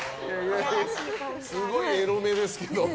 すごいエロ目ですけど。